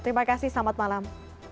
terima kasih selamat malam